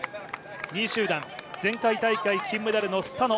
２位集団、前回大会金メダルのスタノ。